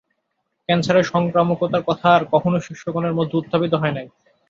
ক্যান্সারের সংক্রামকতার কথা আর কখনও শিষ্যগণের মধ্যে উত্থাপিত হয় নাই।